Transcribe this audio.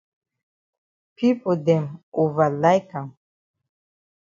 Pipo dem ova like am.